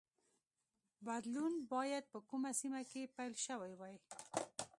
بدلون باید په کومه سیمه کې پیل شوی وای